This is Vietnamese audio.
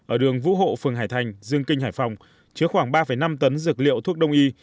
ở đường vũ hộ phường hải thành dương kinh hải phòng chứa khoảng ba năm tấn dược liệu thuốc đông y